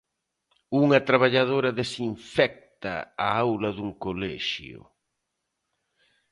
Unha traballadora desinfecta a aula dun colexio.